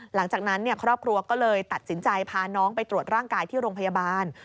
หลังจากนั้นครอบครัวก็เลยตัดสินใจพาน้องไปตรวจร่างกายที่โรงพยาบาล